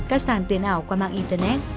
các sàn tuyển ảo qua mạng internet